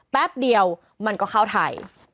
แป๊บเดียวมันก็เข้าไทย